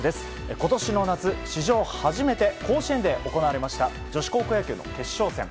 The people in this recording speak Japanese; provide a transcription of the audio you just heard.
今年の夏、史上初めて甲子園で行われました女子高校野球の決勝戦。